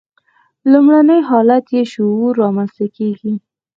لومړنی حالت یې شعوري رامنځته کېږي.